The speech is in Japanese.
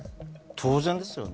当然ですよね。